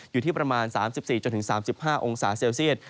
อยู่ที่ประมาณ๓๔๓๕องศาเซลเซียต